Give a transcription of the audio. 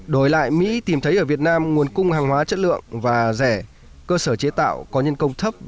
đổi lại mỹ tìm thấy ở việt nam nguồn cung hàng hóa chất lượng và rẻ cơ sở chế tạo có nhân công thấp